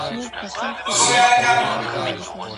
غرونه بې ځنګلونو نه دي.